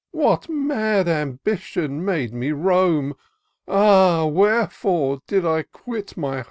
What mad ambition made me toam ? Ah ! wherefore did I quit my home